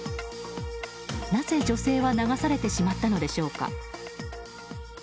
なぜ女性は流されてしまったのでしょうか。